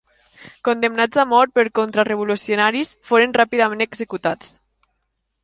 Condemnats a mort per contra-revolucionaris, foren ràpidament executats.